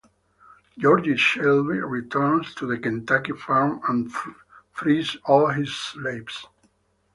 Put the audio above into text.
George Shelby returns to the Kentucky farm and frees all his slaves.